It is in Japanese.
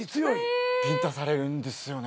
ビンタされるんですよね。